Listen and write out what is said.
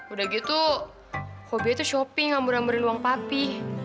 udah gitu hobinya tuh shopping ambur amburin uang papi